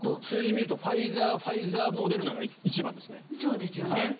数字を見るとファイザーファイザー、モデルナが１番ですね。